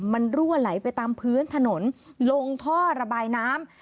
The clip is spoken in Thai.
มันรั่วไหลไปตามพื้นถนนลงท่อระบายน้ำ